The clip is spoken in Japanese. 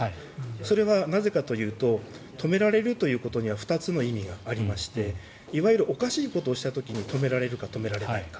それはなぜかというと止められることには２つの意味がありましていわゆるおかしいことをした時に止められるか止められないか。